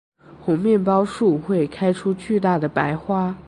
猴面包树会开出巨大的白花。